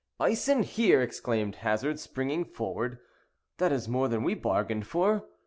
"Ice in here!" exclaimed Hazard springing forward; "that is more than we bargained for.